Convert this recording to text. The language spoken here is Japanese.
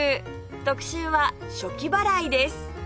特集は「暑気払い」です